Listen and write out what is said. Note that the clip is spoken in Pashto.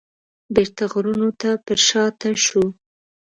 بیرته غرونو ته پرشاته شو.